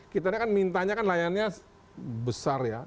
kita ini kan mintanya kan layannya besar ya